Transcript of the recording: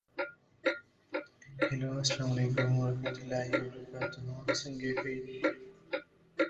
There is a bus service through the village, operated by Central Buses.